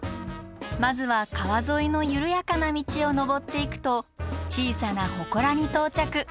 まずは川沿いの緩やかな道を登っていくと小さな祠に到着。